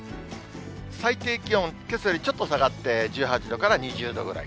最低気温、けさよりちょっと下がって１８度から２０度くらい。